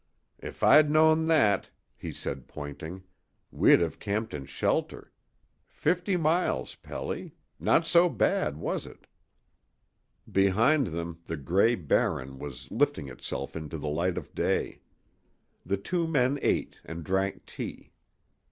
"If I'd known that," he said, pointing, "we'd have camped in shelter. Fifty miles, Pelly. Not so bad, was it?" Behind them the gray Barren was lifting itself into the light of day. The two men ate and drank tea.